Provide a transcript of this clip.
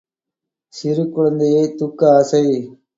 சிறு குழந்தையைத் தூக்க ஆசை.